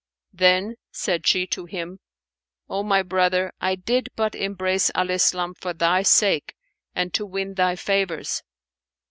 Then said she to him, "O my brother, I did but embrace Al Islam for thy sake and to win thy favours."